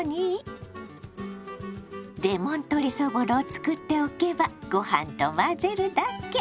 レモン鶏そぼろを作っておけばご飯と混ぜるだけ！